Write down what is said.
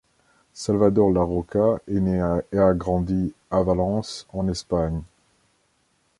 Salvador Larroca est né et a grandi à Valence, en Espagne.